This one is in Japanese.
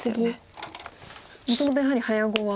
もともとやはり早碁は。